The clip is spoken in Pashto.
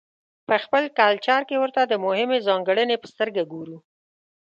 په خپل کلچر کې ورته د مهمې ځانګړنې په سترګه ګورو.